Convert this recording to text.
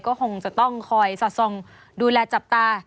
ก็คงจะต้องคอยสอดส่องดูแลจับตา